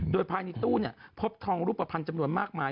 โดยภายในตู้พบทองรูปภัณฑ์จำนวนมากมาย